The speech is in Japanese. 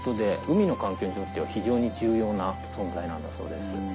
海の環境にとっては非常に重要な存在なんだそうです。